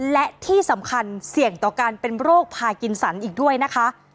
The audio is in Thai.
และที่สำคัญเสี่ยงต่อการเป็นโรคพากินสันอีกด้วยนะคะ